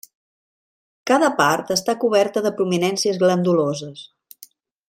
Cada part està coberta de prominències glanduloses.